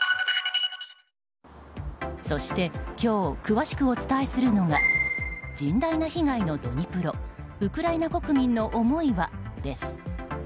そして、今日詳しくお伝えするのが甚大な被害のドニプロウクライナ国民の思いはです。